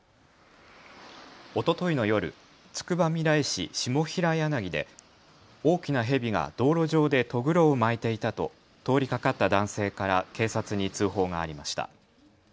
おとといの夜、つくばみらい市下平柳で大きなヘビが道路上でとぐろを巻いていたと通りかかった男性から警察に通報がありました。